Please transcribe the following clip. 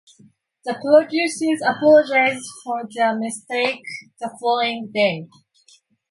The producers apologized for their mistake the following day.